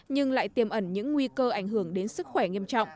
nhưng lại tiềm ẩn những nguy cơ ảnh hưởng